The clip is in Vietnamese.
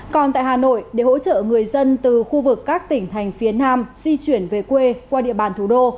còn tại hà nội để hỗ trợ người dân từ khu vực các tỉnh thành phía nam di chuyển về quê qua địa bàn thủ đô